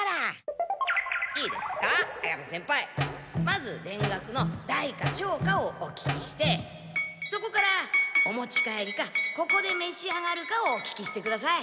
まず田楽の「大」か「小」かをお聞きしてそこから「お持ち帰り」か「ここでめし上がるか」をお聞きしてください。